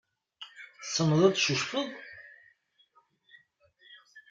Tessneḍ ad tcucfeḍ?